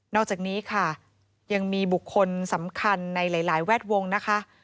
อกจากนี้ค่ะยังมีบุคคลสำคัญในหลายแวดวงนะคะ